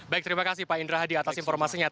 baik terima kasih pak indra hadi atas informasinya